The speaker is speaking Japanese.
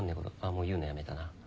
もう言うのやめたな。